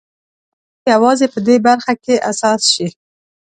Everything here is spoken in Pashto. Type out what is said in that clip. اړتيا يوازې په دې برخه کې حساس شي.